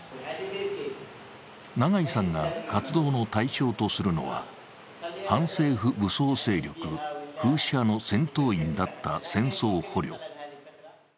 永井さんが活動の対象とするのは反政府武装勢力フーシ派の戦闘員だった戦争捕虜。